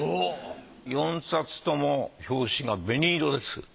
４冊とも表紙が紅色です。